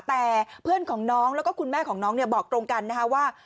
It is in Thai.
แต่เพื่อนของน้องแล้วก็คุณแม่ของน้องเนี่ยบอกตรงกันนะคะว่า